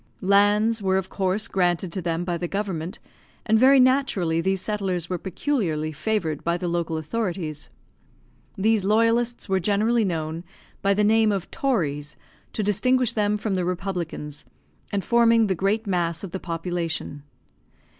Lands were of course granted to them by the government, and very naturally these settlers were peculiarly favoured by the local authorities. These loyalists were generally known by the name of "tories," to distinguish them from the republicans, and forming the great mass of the population.